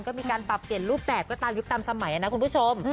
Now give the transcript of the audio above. ก็มีการปรับเปลี่ยนรูปแบบก็ตามยุคตามสมัยนะคุณผู้ชม